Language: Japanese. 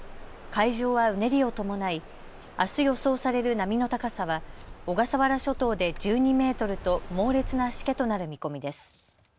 海上はうねりを伴い、あす予想される波の高さは小笠原諸島で１２メートルと猛烈なしけとなる見込みです。